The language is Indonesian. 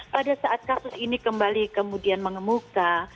pada saat kasus ini kembali kemudian mengemuka